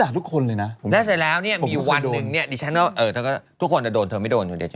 ทุกคนแต่โดนเธอไม่โดน